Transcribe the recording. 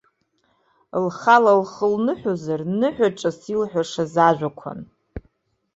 Лхала лхы лныҳәозар, ныҳәаҿас илҳәашаз ажәақәан.